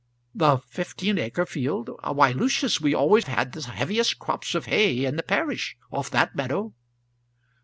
"The fifteen acre field? Why, Lucius, we always had the heaviest crops of hay in the parish off that meadow."